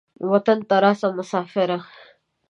وطن ته راسه مسافره.